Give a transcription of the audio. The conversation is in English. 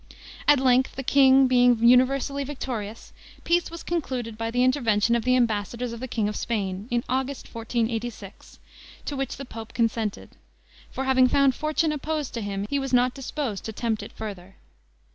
At length, the king, being universally victorious, peace was concluded by the intervention of the ambassadors of the king of Spain, in August, 1486, to which the pope consented; for having found fortune opposed to him he was not disposed to tempt it further.